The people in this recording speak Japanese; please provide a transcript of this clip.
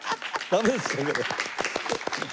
ダメですかね？